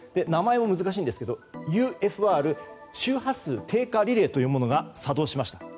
名前も難しいんですけどＵＦＲ・周波数低下リレーというものが作動しました。